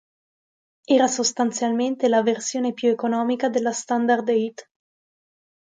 Era sostanzialmente la versione più economica della Standard Eight.